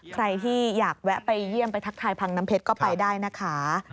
ใครที่อยากแวะไปเยี่ยมไปทักทายพังน้ำเพชรก็ไปได้นะคะ